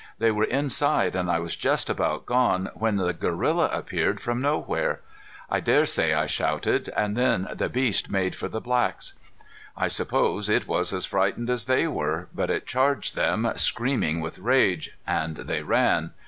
They were inside, and I was just about gone when the gorilla appeared from nowhere. I dare say I shouted, and then the beast made for the blacks. I suppose it was as frightened as they were, but it charged them, screaming with rage, and they ran.